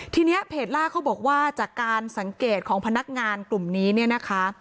ทีนี้เพจล่าเขาบอกว่าจากการสังเกตของพนักงานกลุ่มนี้เนี่ยนะคะ